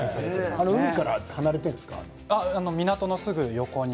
海から離れているんですか。